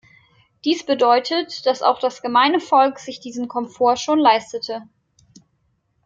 Dies bedeutet, dass auch das gemeine Volk sich diesen Komfort schon leistete.